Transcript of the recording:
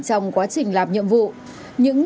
trong quá trình làm nhiệm vụ